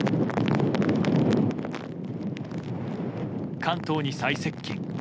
関東に最接近。